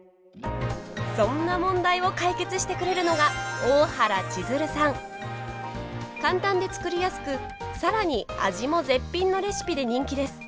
そんな問題を解決してくれるのが簡単で作りやすくさらに味も絶品のレシピで人気です。